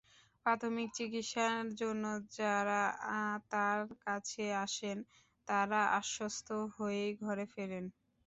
প্রাথমিক চিকিৎসার জন্য যাঁরা তাঁর কাছে আসেন, তাঁরা আশ্বস্ত হয়েই ঘরে ফেরেন।